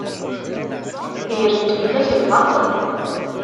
Gren-d fell-ak lbaṭel.